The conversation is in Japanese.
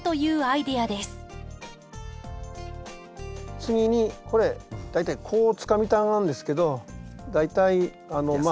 次にこれ大体こうつかみたがるんですけど大体まあ。